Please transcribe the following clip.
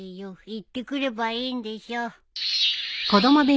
行ってくればいいんでしょ。